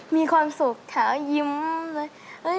มีความสุขค่ะยิ้มเลย